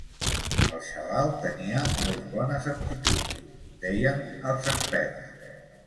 El xaval tenia molt bones aptituds, deien els experts.